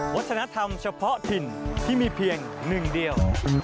วัฒนธรรมเฉพาะถิ่นที่มีเพียงหนึ่งเดียว